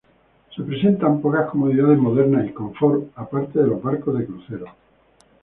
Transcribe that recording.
Se presentan pocas comodidades modernas y confort, aparte de los barcos de crucero.